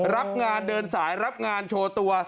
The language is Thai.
รับงานเดินสายรับงานโชว์ตัว